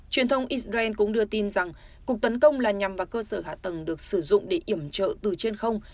truyền thông israel cũng đưa tin rằng cuộc tấn công là nhằm vào cơ sở hạ tầng được sử dụng để iểm trợ từ trên không